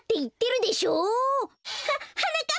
ははなかっ